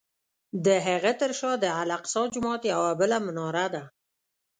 د هغه تر شا د الاقصی جومات یوه بله مناره ده.